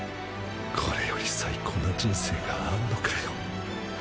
これより最高な人生があんのかよ。